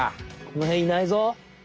このへんいないぞ。